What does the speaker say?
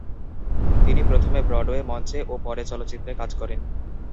তিনি প্রথমে ব্রডওয়ে মঞ্চে ও পরে চলচ্চিত্রে কাজ করেন।